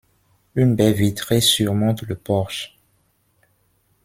Une baie vitrée surmonte le porche.